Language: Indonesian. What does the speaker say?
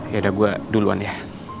yaudah gue duluan ya